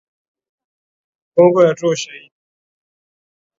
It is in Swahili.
Kongo yatoa ushahidi